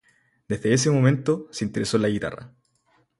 Desde ese momento, se interesó en la guitarra.